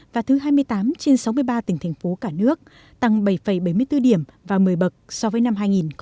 và thứ hai mươi tám trên sáu mươi ba tỉnh thành phố cả nước tăng bảy bảy mươi bốn điểm và một mươi bậc so với năm hai nghìn một mươi